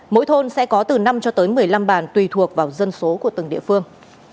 mỗi thôn sẽ có từ năm cho tới một mươi năm bàn tùy thuộc vào dân số của từng địa phương